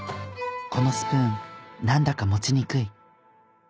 「このスプーンなんだか持ちにくい」。